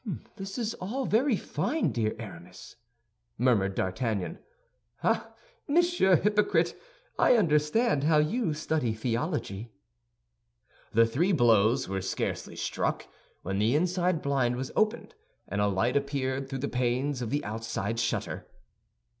"This is all very fine, dear Aramis," murmured D'Artagnan. "Ah, Monsieur Hypocrite, I understand how you study theology." The three blows were scarcely struck, when the inside blind was opened and a light appeared through the panes of the outside shutter.